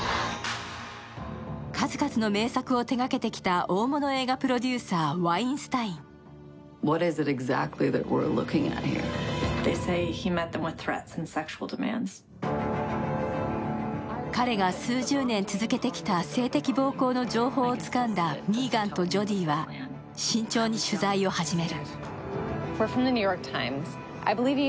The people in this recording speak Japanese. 数々の名作を手がけてきた大物映画プロデューサー、ワインスタイン彼が数十年続けてた性的暴行の情報をつかんだミーガンとジョディは、慎重に取材を始める。